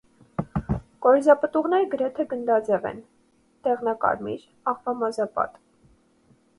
Կորիզապտուղները գրեթե գնդաձև են, դեղնակարմիր, աղվամազապատ։